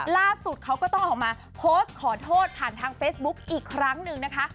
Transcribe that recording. ล่าสุดเขาก็ต้องออกมาโพสต์ขอโทษผ่านทางเฟซบุ๊กอีกครั้งหนึ่งนะคะ